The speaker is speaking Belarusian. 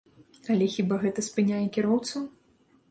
Але хіба гэта спыняе кіроўцаў?